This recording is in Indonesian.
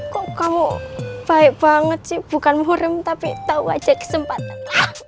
kok kamu baik banget sih bukan murim tapi tahu aja kesempatan